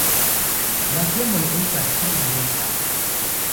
La temoj estas tre diversaj.